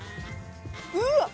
うわっ！